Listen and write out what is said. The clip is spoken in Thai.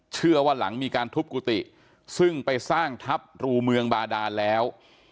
เชื่อว่าหลังมีการทุบกุฏิซึ่งไปสร้างทัพรูเมืองบาดานแล้ว